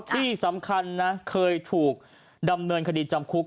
ที่สำคัญนะเคยถูกดำเนินคดีจำคุก